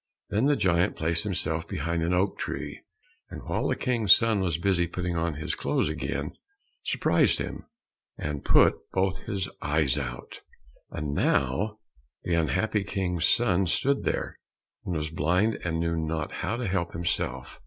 Then the giant placed himself behind an oak tree, and while the King's son was busy putting on his clothes again, surprised him, and put both his eyes out. And now the unhappy King's son stood there, and was blind and knew not how to help himself.